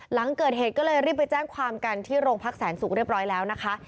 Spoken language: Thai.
หลังเกิดเหตุก็เลยรีบไปแจ้งความกันที่โรงพักแสนสุกเรียบร้อยแล้วนะคะ